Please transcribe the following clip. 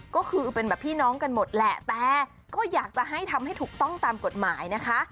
ก็คือเป็นแบบพี่น้องกันหมดแหละแต่ก็อยากจะให้ทำให้ถูกต้องตามกฎหมายนะคะ